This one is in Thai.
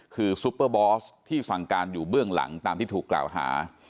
คือซุปเปอร์บอสที่สั่งการอยู่เบื้องหลังตามที่ถูกกล่าวหา